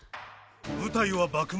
舞台は幕末。